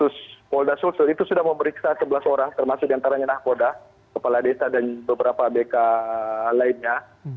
khusus polda sulsel itu sudah memeriksa sebelas orang termasuk diantaranya nahkoda kepala desa dan beberapa abk lainnya